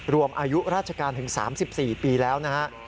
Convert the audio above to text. รวมอายุราชการถึง๓๔ปีแล้วนะฮะ